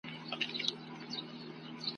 پرلحد به دي رقیبه نه بیرغ وي نه جنډۍ وي !.